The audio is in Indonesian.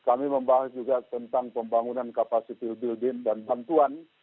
kami membahas juga tentang pembangunan kapasitas pembangunan dan bantuan